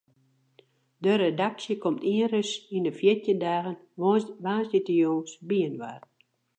De redaksje komt ienris yn de fjirtjin dagen woansdeitejûns byinoar.